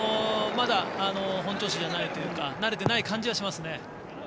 まだ本調子じゃないというか慣れてない感じはしますね。